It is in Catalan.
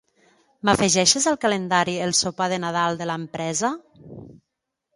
M'afegeixes al calendari el sopar de Nadal de l'empresa?